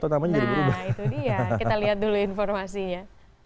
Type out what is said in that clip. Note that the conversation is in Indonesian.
nah itu dia kita lihat dulu informasinya